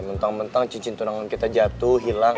mentang mentang cincin tunangan kita jatuh hilang